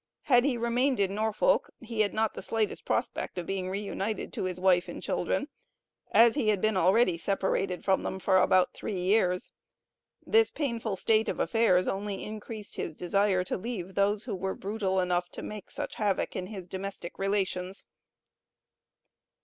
Had he remained in Norfolk he had not the slightest prospect of being reunited to his wife and children, as he had been already separated from them for about three years. This painful state of affairs only increased his desire to leave those who were brutal enough to make such havoc in his domestic relations.